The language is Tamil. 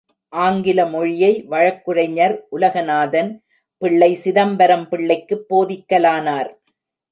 ஆங்கில மொழியை வழக்குரைஞர் உலகநாதன் பிள்ளை சிதம்பரம் பிள்ளைக்குப் போதிக்கலானார்!